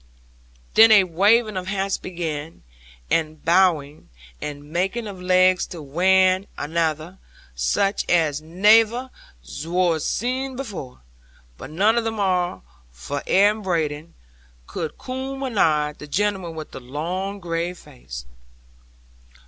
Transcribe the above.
'Then a waving of hats began, and a bowing, and making of legs to wan anather, sich as nayver wor zeed afore; but none of 'em arl, for air and brading, cud coom anaigh the gentleman with the long grave face.